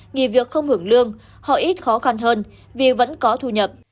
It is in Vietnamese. nghỉ việc không hưởng lương họ ít khó khăn hơn vì vẫn có thu nhập